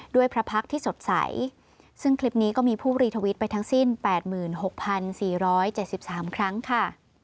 พระพักษ์ที่สดใสซึ่งคลิปนี้ก็มีผู้รีทวิตไปทั้งสิ้น๘๖๔๗๓ครั้งค่ะ